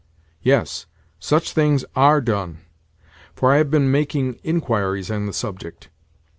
Yes, such things ARE done, for I have been making inquiries on the subject.